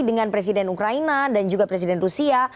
dengan presiden ukraina dan juga presiden rusia